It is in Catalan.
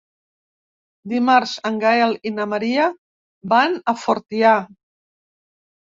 Dimarts en Gaël i na Maria van a Fortià.